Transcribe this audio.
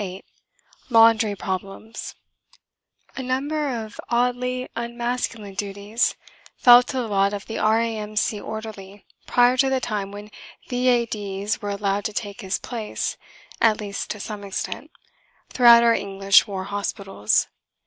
VIII LAUNDRY PROBLEMS A number of oddly unmasculine duties fell to the lot of the R.A.M.C. orderly prior to the time when "V.A.D.'s" were allowed to take his place (at least to some extent) throughout our English war hospitals.